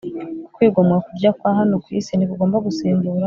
Ukwigomwa kurya kwa hano ku isi ntikugomba gusimbura